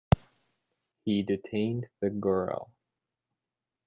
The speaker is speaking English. He detained the girl.